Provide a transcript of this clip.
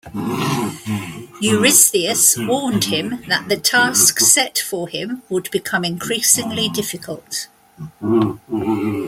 Eurystheus warned him that the tasks set for him would become increasingly difficult.